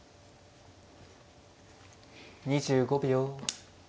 ２５秒。